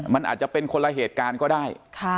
มันอาจจะเป็นคนละเหตุการณ์ก็ได้